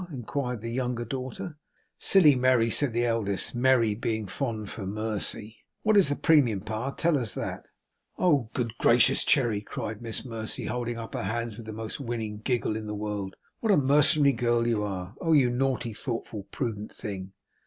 inquired the younger daughter. 'Silly Merry!' said the eldest: Merry being fond for Mercy. 'What is the premium, Pa? tell us that.' 'Oh, good gracious, Cherry!' cried Miss Mercy, holding up her hands with the most winning giggle in the world, 'what a mercenary girl you are! oh you naughty, thoughtful, prudent thing!